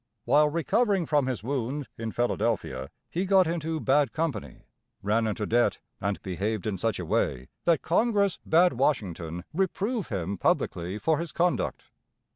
While recovering from his wound, in Philadelphia, he got into bad company, ran into debt, and behaved in such a way that Congress bade Washington reprove him publicly for his conduct.